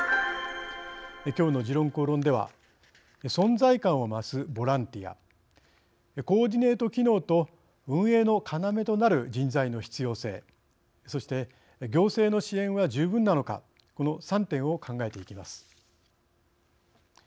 きょうの「時論公論」では存在感を増すボランティアコーディネート機能と運営の「要」となる人材の必要性そして行政の支援は十分なのかこの３点を考えていきます。